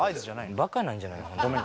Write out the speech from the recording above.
バカなんじゃない？ごめん。